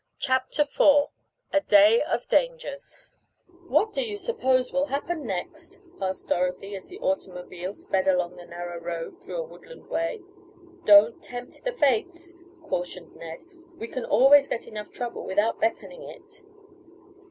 CHAPTER IV A DAY OF DANGERS "What do you suppose will happen next?" asked Dorothy, as the automobile sped along the narrow road through a woodland way. "Don't tempt the fates," cautioned Ned, "we can always get enough trouble without beckoning it."